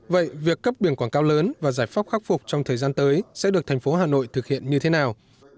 vậy việc cấp biển quảng cáo lớn và giải pháp khắc phục trong thời gian tới sẽ được thành phố hà nội thực hiện như thế nào